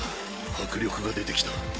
迫力が出てきた。